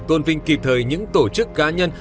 tôn vinh kịp thời những tổ chức cá nhân